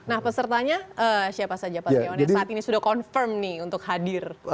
nah pesertanya siapa saja pak setiawan yang saat ini sudah confirm nih untuk hadir